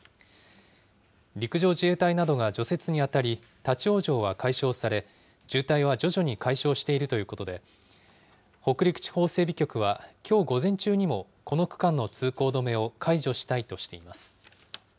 陸上自衛隊などが除雪に当たり、立往生は解消され、渋滞は徐々に解消しているということで、北陸地方整備局は、きょう午前中にも、この区間の通行止めを解除したいとしています。